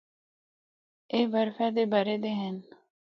اے برفا دے بھرے دے ہن۔